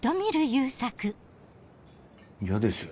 嫌ですよ。